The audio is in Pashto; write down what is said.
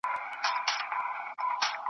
ـ خوند حو ژوند هم چندان نه کوي، ځان ووژنم؟